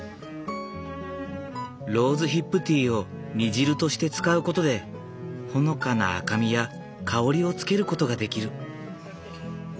ローズヒップティーを煮汁として使うことでほのかな赤みや香りをつけることができる。